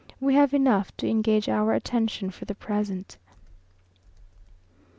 We have enough to engage our attention for the present.